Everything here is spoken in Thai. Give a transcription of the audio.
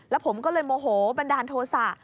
แล้วผมก็เลยโมโหบันดาลโทษะ